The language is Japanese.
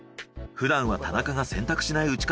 ふだんは田中が選択しない